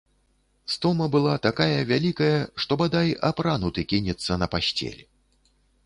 Стома была такая вялікая, што, бадай, апрануты кінецца на пасцель.